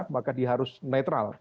maka dia harus netral